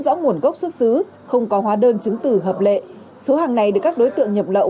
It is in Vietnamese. rõ nguồn gốc xuất xứ không có hóa đơn chứng tử hợp lệ số hàng này được các đối tượng nhập lậu